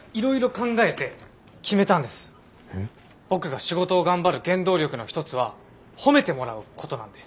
僕が仕事を頑張る原動力の一つは褒めてもらうことなんで。